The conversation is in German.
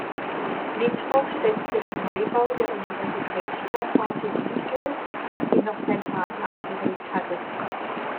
Littrow setzte den Neubau der Universitätssternwarte Wien durch, die noch sein Vater angeregt hatte.